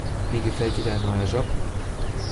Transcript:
Wie gefällt dir dein neuer Job?